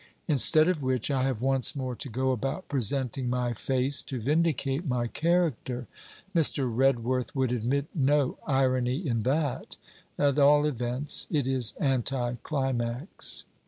Instead of which, I have once more to go about presenting my face to vindicate my character. Mr. Redworth would admit no irony in that! At all events, it is anti climax.'